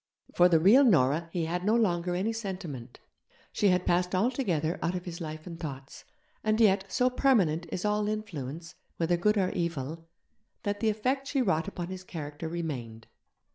For the real Nora he had no longer any sentiment, she had passed altogether out of his life and thoughts; and yet, so permanent is all influence, whether good or evil, that the effect she wrought upon his character remained.